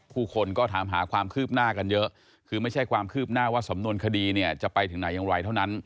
ผู้คนก็ถามหาความคืบหน้ากันเยอะคือไม่ใช่ความคืบหน้าว่าสำนวนคดีเนี่ยจะไปถึงไหนอย่างไรเท่านั้น